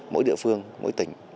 mỗi địa phương mỗi tỉnh